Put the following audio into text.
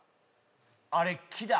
あれ木だ。